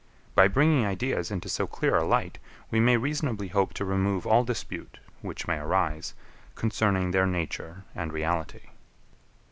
By bringing ideas into so clear a light we may reasonably hope to remove all dispute, which may arise, concerning their nature and reality.